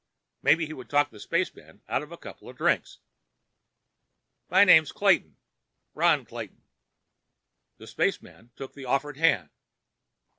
Maybe he could talk the spaceman out of a couple of drinks. "My name's Clayton. Ron Clayton." The spaceman took the offered hand.